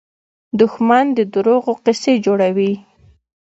دښمن د دروغو قصې جوړوي